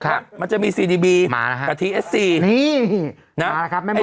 ถูกต้องถูกต้อง